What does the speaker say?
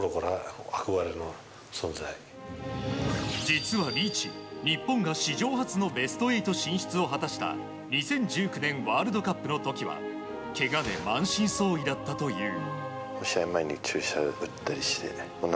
実はリーチ、日本が史上初のベスト８進出を果たした２０１９年ワールドカップの時はけがで満身創痍だったという。